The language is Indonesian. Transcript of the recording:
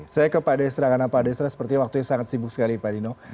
saya ke pak desra karena pak desra sepertinya waktunya sangat sibuk sekali pak dino